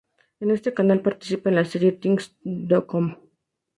En ese canal participa en la serie "Things to come".